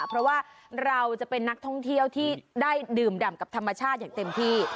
เพราะว่าเราจะเป็นนักท่องเที่ยวที่ได้ดื่มดำกับธรรมชาติอย่างเต็มที่